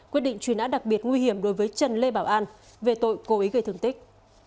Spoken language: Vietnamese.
quyết định truy nã đặc biệt nguy hiểm đối với trần lê bảo an về tội cố ý gây thương tích